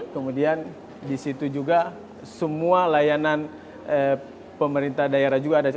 kemudian di situ juga semua layanan pemerintah daerah juga ada